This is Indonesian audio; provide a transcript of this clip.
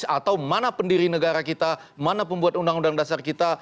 atau mana pendiri negara kita mana pembuat undang undang dasar kita